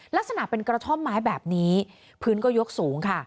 ลักษณะเป็นกระท่อมไม้แบบนี้พื้นก็ยกสูงค่ะ